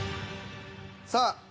さあ